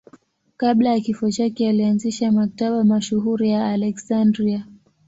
Kabla ya kifo chake alianzisha Maktaba mashuhuri ya Aleksandria.